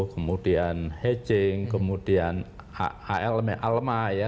kemudian hedging kemudian alma ya